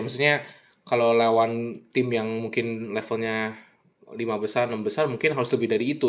maksudnya kalau lawan tim yang mungkin levelnya lima besar enam besar mungkin harus lebih dari itu